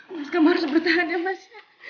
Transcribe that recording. mas kamu harus bertahan ya mas